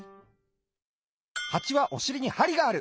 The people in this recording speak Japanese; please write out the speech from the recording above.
ハチはおしりにはりがある！